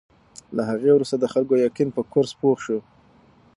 له هغې وروسته د خلکو یقین په کورس پوخ شو.